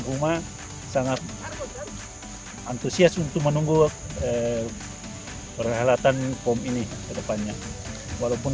rumah sangat antusias untuk menunggu perhelatan pom ini ke depannya walaupun